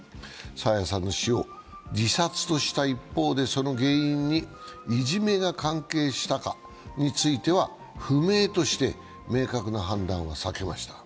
爽彩さんの死を自殺とした一方でその原因にいじめが関係したかについては不明として、明確な判断は避けました。